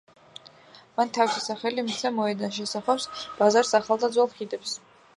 მან თავისი სახელი მისცა მოედანს, შესახვევს, ბაზარს, ახალ და ძველ ხიდებს.